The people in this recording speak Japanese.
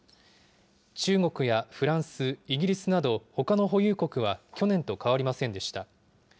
中国やフランス、イギリスなどほかの保有国は去年と変わりませんでした。